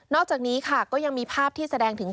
อกจากนี้ค่ะก็ยังมีภาพที่แสดงถึง